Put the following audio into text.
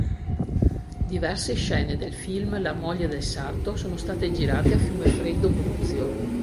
Diverse scene del film "La moglie del sarto" sono state girate a Fiumefreddo Bruzio.